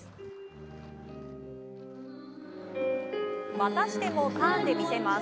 またしてもターンで見せます。